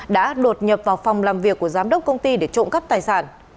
đã đột nhập vào phòng làm việc của giám đốc công ty để trộm cắp tài sản